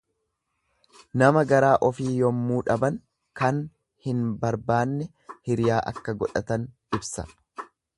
Nama garaa ofii yemmuu dhaban kan hin barbaane hiriyaa akka godhatan ibsa.